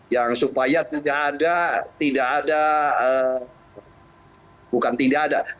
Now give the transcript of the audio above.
yang supaya tidak ada tidak ada bukan tidak ada